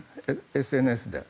ＳＮＳで。